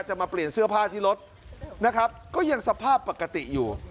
มาเปลี่ยนเสื้อผ้าที่รถนะครับก็ยังสภาพปกติอยู่